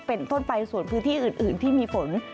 เป็นต้นไปส่วนพื้นที่อื่นที่มีฝน